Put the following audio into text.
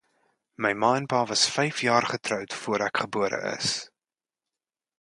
My ma en pa was vyf jaar getroud voor ek gebore is.